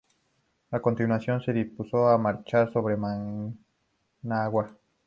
A continuación se dispuso a marchar sobre Managua.